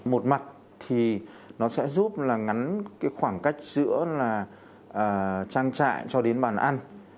một mặt thì nó sẽ giúp là ngắn cái khoảng cách giữa là trang trại cho đến bàn ăn